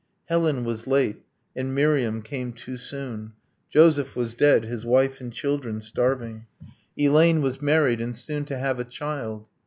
Helen was late and Miriam came too soon. Joseph was dead, his wife and children starving. Elaine was married and soon to have a child.